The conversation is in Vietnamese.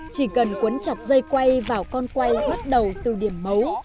chỉ cần quấn chặt dây quay vào con quay bắt đầu từ điểm mấu